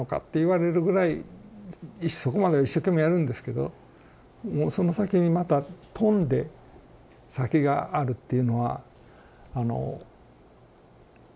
そこまでは一生懸命やるんですけどもうその先にまた飛んで先があるっていうのはあのいいような悪いような。